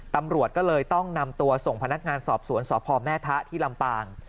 ตำรวจก็เลยต้องนำตัวส่งพนักงานสอบสวนสพแม่ทะที่ลำปาง